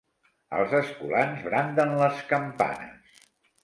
Els escolans branden les campanes.